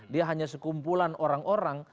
dia hanya sekumpulan orang orang